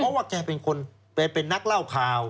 เพราะว่าแกเป็นคนเป็นนักเล่าข่าว